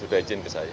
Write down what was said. ya sudah izin ke saya